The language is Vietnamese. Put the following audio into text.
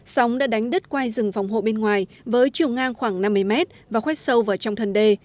sóng đã đánh đất quay rừng phòng hộ bên ngoài với chiều ngang khoảng năm mươi mét và khoét sâu vào trong thân đê